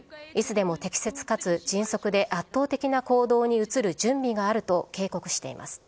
いつでも適切かつ迅速で圧倒的な行動に移る準備があると警告しています。